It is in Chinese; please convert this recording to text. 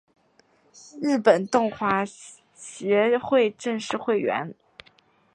日本动画协会正式会员。